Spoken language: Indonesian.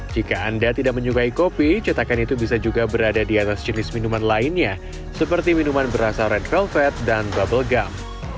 jika anda tidak menyukai kopi cetakan itu bisa juga berada di atas jenis minuman lainnya seperti minuman berasa red velvet dan bubble gum